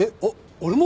俺も！？